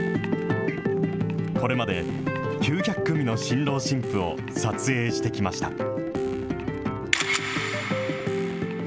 これまで９００組の新郎新婦を撮影してきました。